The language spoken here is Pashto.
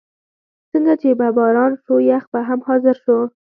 څنګه چې به باران شو، یخ به هم حاضر شو.